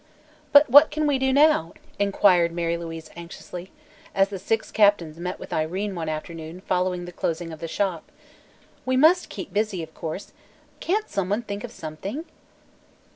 "But what can we do now," inquired Mary Louise anxiously as the six captains met with Irene one afternoon following the closing of the shop. "We must keep busy, of course. Can't someone think of something?"